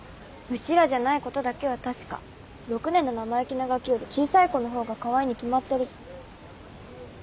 うちらじゃないことだけは確か６年の生意気なガキより小さい子のほうがかわいいに決まってるし。